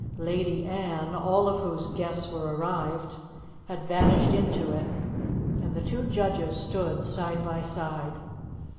Lady Anne, all of whose guests were arrived, had vanished into it, and the two judges stood side by side.